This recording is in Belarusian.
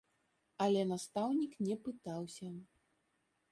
Але настаўнік не пытаўся.